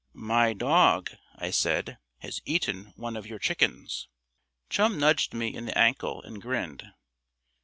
"My dog," I said, "has eaten one of your chickens." Chum nudged me in the ankle and grinned.